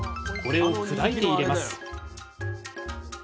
これを砕いて入れます！